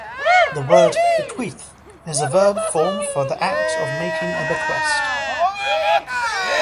The word "bequeath" is a verb form for the act of making a bequest.